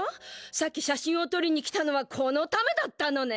さっき写真をとりに来たのはこのためだったのね！